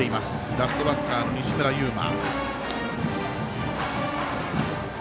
ラストバッターの西村侑真。